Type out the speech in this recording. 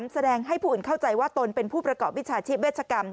แสดงให้ผู้อื่นเข้าใจว่าตนเป็นผู้ประกอบวิชาชีพเวชกรรม